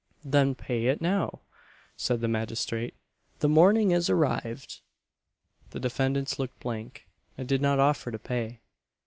"Then pay it now" said the magistrate "the morning is arrived!" The defendants looked blank and did not offer to pay.